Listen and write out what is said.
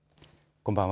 こんばんは。